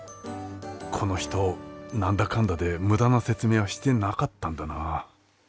この人何だかんだで無駄な説明はしてなかったんだな。